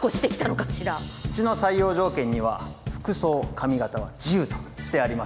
うちの採用条件には服装髪形は自由としてありますので。